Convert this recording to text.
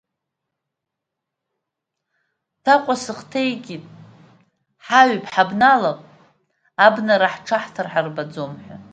Ҭаҟәа сыхҭеикит ҳаҩып, ҳабналап, абнара ҳҽаҳҭар ҳарбаӡом ҳәа.